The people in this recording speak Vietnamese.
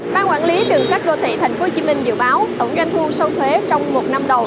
bang quản lý đường sát đô thị tp hcm dự báo tổng doanh thu sâu thuế trong một năm đầu